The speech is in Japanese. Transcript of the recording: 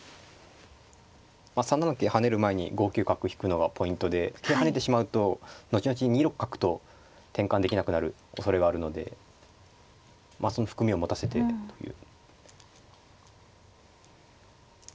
３七桂跳ねる前に５九角引くのがポイントで桂跳ねてしまうと後々に２六角と転換できなくなるおそれがあるのでまあその含みを持たせてという。